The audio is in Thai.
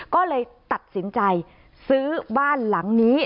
ก็เลยตัดสินใจซื้อบ้านหลังนี้